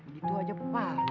gitu aja pak